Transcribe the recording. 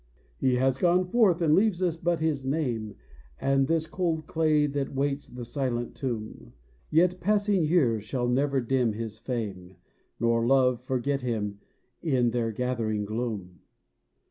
He has gone forth, and leaves us but his name And this cold clay that waits the silent tomb; Yet passing years shall never dim his fame, Nor love forget him in their gathering gloom.